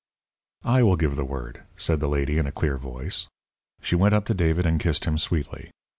"I will give the word," said the lady, in a clear voice. She went up to David and kissed him sweetly.